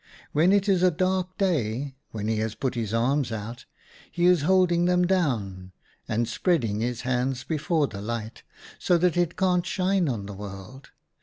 When it is a dark day, then he has put his arms out. He is holding them down, and spreading his hands before the light, so that it can't shine on the world.